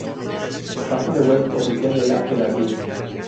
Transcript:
Página web oficial de la pedanía